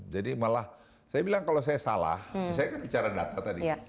jadi malah saya bilang kalau saya salah saya kan bicara data tadi